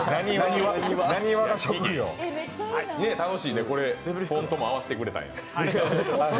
楽しいね、フォントも合わせてくれたんや。